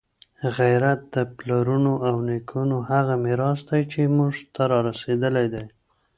غیرت د پلرونو او نیکونو هغه میراث دی چي موږ ته رارسېدلی دی.